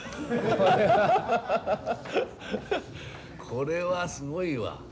これはすごいわ。